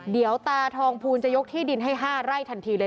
เดี๋ยวตาทองภูลจะยกที่ดินให้๕ไร่ทันทีเลย